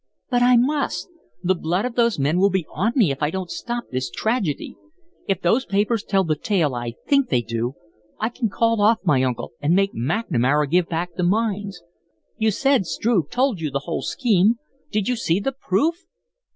"But I MUST. The blood of those men will be on me if I don't stop this tragedy. If those papers tell the tale I think they do, I can call off my uncle and make McNamara give back the mines. You said Struve told you the whole scheme. Did you see the PROOF?"